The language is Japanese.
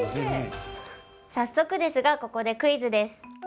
早速ですがここでクイズです。